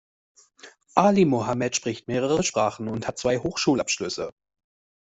Ali Mohammed spricht mehrere Sprachen und hat zwei Hochschulabschlüsse.